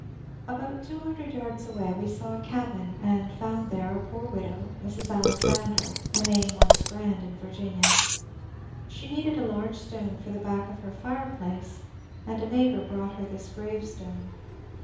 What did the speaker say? About two hundred yards away we saw a cabin and found there a poor widow, Mrs. Alexander, a name once grand in Virginia. She needed a large stone for the back of 422 MONCnSE DANIEL OONWAT her fireplace, and a neighbour brought her this graTertone.